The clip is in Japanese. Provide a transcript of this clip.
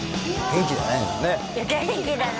．．．元気だね